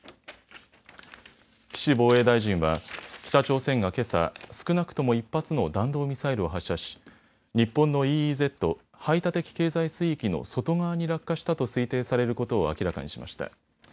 岸防衛大臣は北朝鮮がけさ少なくとも１発の弾道ミサイルを発射し日本のＥＥＺ・排他的経済水域の外側に落下したと推定されることを明らかにしました。